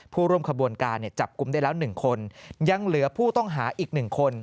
ร่วมขบวนการจับกลุ่มได้แล้ว๑คนยังเหลือผู้ต้องหาอีก๑คน